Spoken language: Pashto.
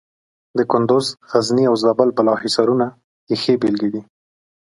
د کندز، غزني او زابل بالا حصارونه یې ښې بېلګې دي.